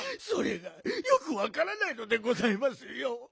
それがよくわからないのでございますよ。